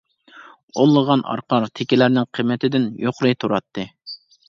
ئونلىغان ئارقار، تېكىلەرنىڭ قىممىتىدىن يۇقىرى تۇراتتى.